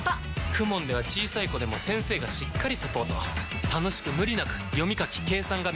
ＫＵＭＯＮ では小さい子でも先生がしっかりサポート楽しく無理なく読み書き計算が身につきます！